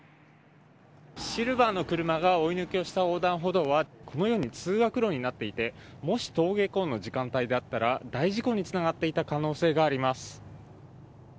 シルバーの車が追い抜きをした横断歩道はこのように通学路になっていてもし、登下校の時間帯であったら大事故につながっていた可能性があります。